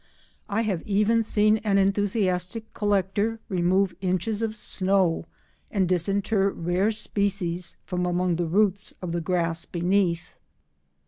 I have even seen an enthusiastic collector remove inches of snow and disinter rare species from among the roots of the grass beneath!